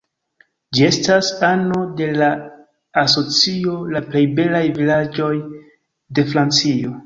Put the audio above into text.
Ĝi estas ano de la asocio La plej belaj vilaĝoj de Francio.